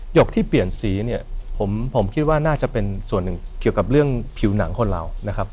กที่เปลี่ยนสีเนี่ยผมคิดว่าน่าจะเป็นส่วนหนึ่งเกี่ยวกับเรื่องผิวหนังคนเรานะครับ